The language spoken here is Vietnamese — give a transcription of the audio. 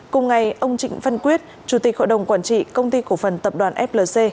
cùng ngày ông trịnh văn quyết chủ tịch hội đồng quản trị công ty cổ phần tập đoàn flc